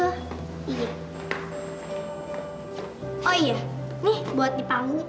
oh iya nih buat dipanggi